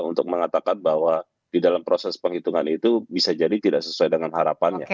untuk mengatakan bahwa di dalam proses penghitungan itu bisa jadi tidak sesuai dengan harapannya